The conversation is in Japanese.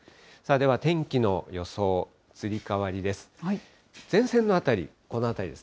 では天気の予想、移り変わりです。